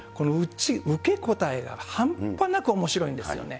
受け答えが半端なくおもしろいんですよね。